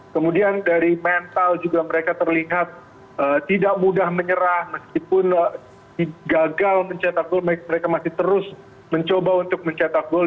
kemudian dari mental juga mereka terlihat tidak mudah menyerah meskipun gagal mencetak gol mereka masih terus mencoba untuk mencetak gol